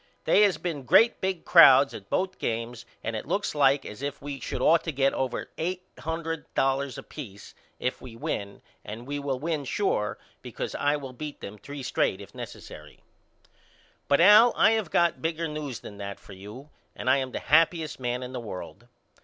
They has been great big crowds at both games and it looks like as if we should ought to get over eight hundred dollars a peace if we win and we will win sure because I will beat them three straight if necessary. But Al I have got bigger news than that for you and I am the happyest man in the world.